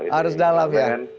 harus dalam ya